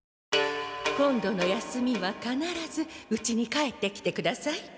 今度の休みはかならずうちに帰ってきてください。